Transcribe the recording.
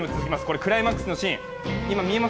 クライマックスのシーン。